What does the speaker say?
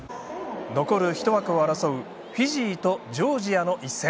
残る１枠を争うフィジーとジョージアの一戦。